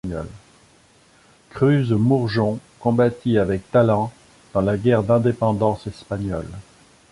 Cruz Mourgeón combattit avec talent dans la Guerre d'indépendance espagnole.